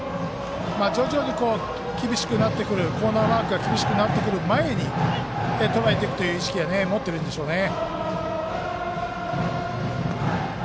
徐々にコーナーワークが厳しくなってくる前にとらえていくという意識は持っているんでしょうね。